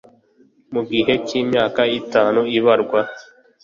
mu gihe cy imyaka itanu ibarwa